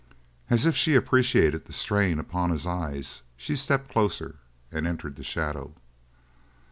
As if she appreciated that strain upon his eyes she stepped closer, and entered the shadow.